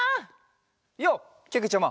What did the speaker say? ようけけちゃま！